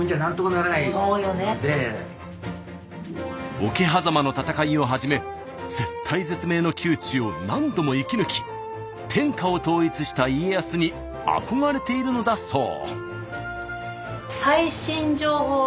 桶狭間の戦いをはじめ絶体絶命の窮地を何度も生き抜き天下を統一した家康に憧れているのだそう。